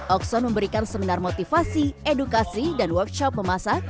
okson memberikan seminar motivasi edukasi dan workshop memasak